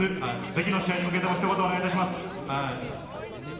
次の試合に向けても一言お願いします。